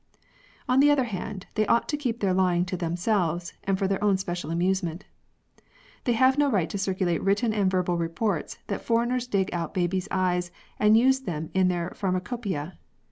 On the other hand, they ought to keep their lying to themselves and for their own special amusement. They have no right to circulate written and verbal reports that foreigners dig out babies' eyes and use them in their pharmacopeia.